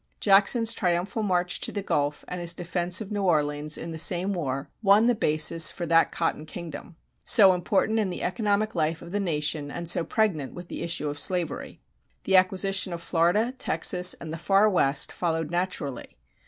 Jackson's triumphal march to the Gulf and his defense of New Orleans in the same war won the basis for that Cotton Kingdom, so important in the economic life of the nation and so pregnant with the issue of slavery.[189:1] The acquisition of Florida, Texas, and the Far West followed naturally.